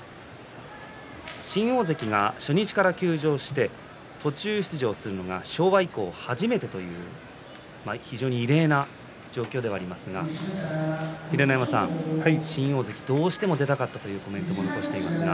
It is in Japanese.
新大関が初日から休場して途中出場するのが昭和以降初めてという非常に異例な状況ではありますが秀ノ山さん、新大関どうしても出たかったというコメントを残していますが。